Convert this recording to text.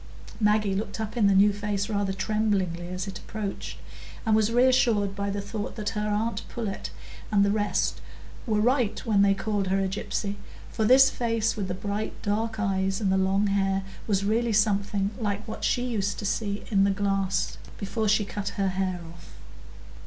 Maggie looked up in the new face rather tremblingly as it approached, and was reassured by the thought that her aunt Pullet and the rest were right when they called her a gypsy; for this face, with the bright dark eyes and the long hair, was really something like what she used to see in the glass before she cut her hair off.